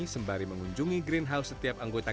sembari mengunjungi greenhouse setiap anggota